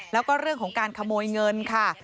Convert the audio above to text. แล้วก็เรื่องของการขโมยเงินค่ะ